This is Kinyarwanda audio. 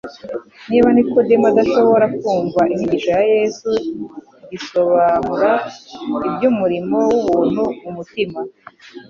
Niba Nikodemu adashobora kumva icyigisho cya Yesu gisobamra iby'umurimo w'ubuntu mu mutima,